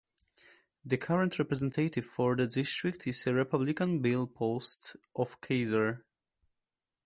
The current representative for the district is Republican Bill Post of Keizer.